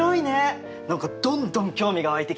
何かどんどん興味が湧いてきたよ。